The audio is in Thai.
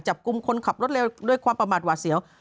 จับกลุ่มคนขับรถเร็วด้วยความประมาทหวาเสียว